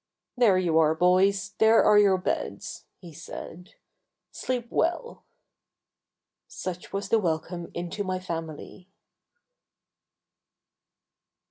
"There you are, boys, there are your beds," he said. "Sleep well." Such was the welcome into my family.